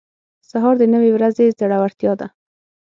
سهار د نوې ورځې زړورتیا ده.